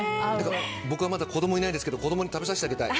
僕はまだ子供いないですけど子供に食べさせてあげたい。